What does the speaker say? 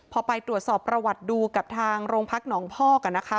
พอไปตรวจสอบประวัติดูกับทางโรงพักหนองพอกนะคะ